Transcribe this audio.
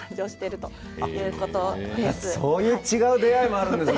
そういう違う出会いもあるんですね。